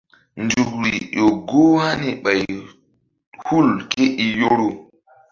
Nzukr ƴo goh hani ɓay hul ké i Yoro.